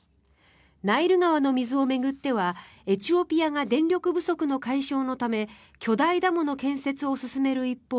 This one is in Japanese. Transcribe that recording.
ナイル川の水を巡ってはエチオピアが電力不足の解消のため巨大ダムの建設を進める一方